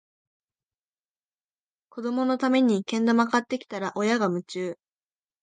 子どものためにけん玉買ってきたら、親が夢中